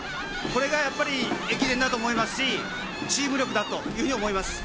これが駅伝だと思いますし、チーム力だと思います。